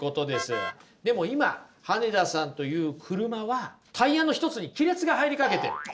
でも今羽根田さんという車はタイヤの一つに亀裂が入りかけてる。